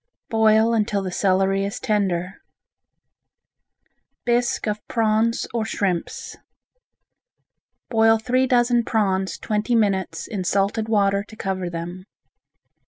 Boil until the celery is tender. Bisque of Prawns or Shrimps Boil three dozen prawns twenty minutes in salted water to cover them.